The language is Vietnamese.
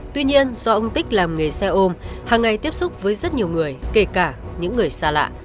tuy nhiên do ông tích làm nghề xe ôm hàng ngày tiếp xúc với rất nhiều người kể cả những người xa lạ